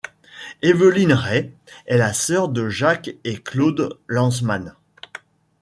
Évelyne Rey est la sœur de Jacques et Claude Lanzmann.